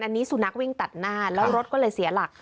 อันนี้สุนัขวิ่งตัดหน้าแล้วรถก็เลยเสียหลัก